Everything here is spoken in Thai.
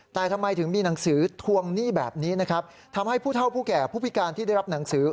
แต่ทำไมถึงมีหนังสือทวงหนี้แบบนี้นะครับ